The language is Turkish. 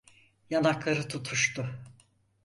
Yanakları tutuştu.